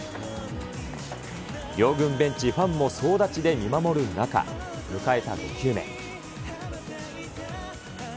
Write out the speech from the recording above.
両軍ベンチ、ファンも総立ちで見守る中、迎えた５球目。